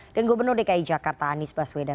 dan gubernur dki jakarta anies baswedan